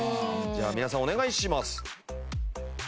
じゃあ皆さんお願いします。